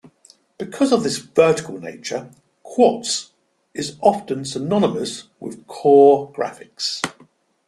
Because of this vertical nature, "Quartz" is often synonymous with "Core Graphics".